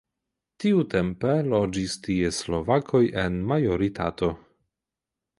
Tiutempe loĝis tie slovakoj en majoritato.